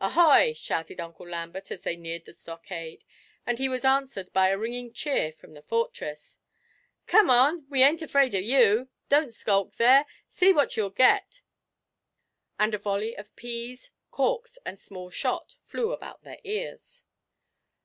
'Ahoy!' shouted Uncle Lambert, as they neared the stockade, and he was answered by a ringing cheer from the fortress. 'Come on we ain't afraid of you! Don't skulk there see what you'll get!' And a volley of peas, corks, and small shot flew about their ears.